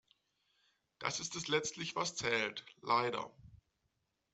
Das ist es letztlich was zählt, leider.